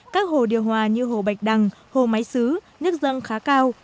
các hồ điều hòa như hồ bạch đằng hồ máy xứ nước dâng khá cao